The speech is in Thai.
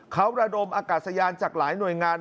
เขาระดมอากาศยานจากหลายหน่วยงาน